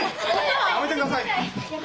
やめてください！